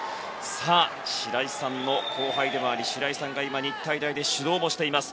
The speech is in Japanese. さあ、白井さんの後輩でもあり白井さんが今、日体大で指導もしています